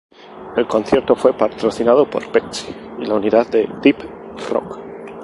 El concierto fue patrocinado por Pepsi y la Unidad de Deep Rock.